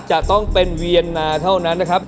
จะต้องเป็นเวียนนาเท่านั้นนะครับ